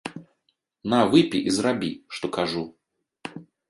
На выпі і зрабі, што кажу!